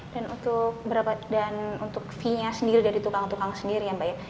dan untuk fee nya sendiri dari tukang tukang sendiri ya mbak ya